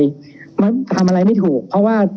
ผมผู้ต้องหาสลบไปตอนนั้นเราก็ตกใจทำอะไรไม่ถูก